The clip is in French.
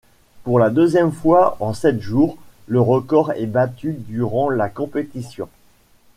Pour la deuxième fois en sept jours, le record est battu durant la compétition.